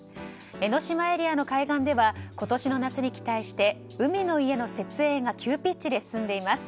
江の島エリアの海岸では今年の夏に期待して海の家の設営が急ピッチで進んでいます。